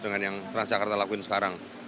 dengan yang transjakarta lakuin sekarang